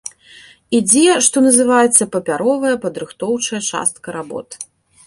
Ідзе, што называецца, папяровая, падрыхтоўчая частка работ.